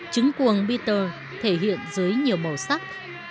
chứng cuồng beatles thể hiện dưới nhiều màu sắc